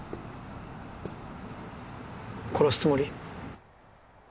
殺すつもり？